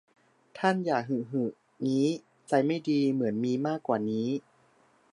ท่านอย่าหึหึงี้ ใจไม่ดี เหมือนมีมากกว่านี้